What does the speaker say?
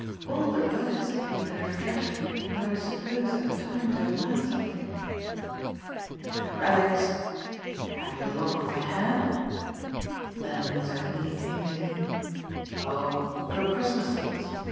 All the relics of you that I've treasured and that I supposed at the time to have meant something!" "The 'relics'? Have you a lock of my hair?" Then as her meaning came to him: "Oh little Christmas things?